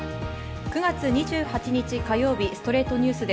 ９月２８日、火曜日『ストレイトニュース』。